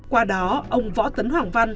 qua đó ông võ tấn hoàng văn nói